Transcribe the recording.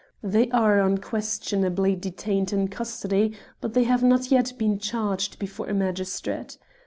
They are unquestionably detained in custody, but they have not yet been charged before a magistrate.